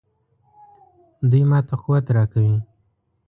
دوی ماته قوت راکوي.